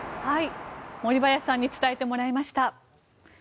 森林さんに伝えてもらいました。